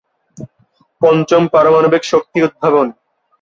পঞ্চম, পারমাণবিক শক্তি উদ্ভাবন।